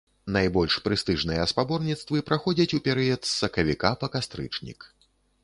Найбольш прэстыжныя спаборніцтвы праходзяць у перыяд з сакавіка па кастрычнік.